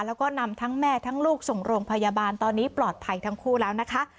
แล้วก็นำทั้งแม่ทั้งลูกส่งโรงพยาบาลตอนนี้ปลอดภัยทั้งคู่แล้วนะคะ